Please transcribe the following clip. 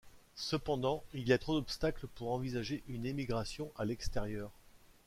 Cependant, il y a trop d'obstacles pour envisager une émigration à l'extérieur.